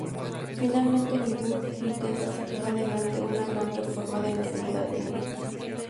Finalmente, Nyborg intenta sacar adelante una gran reforma de la sanidad pública.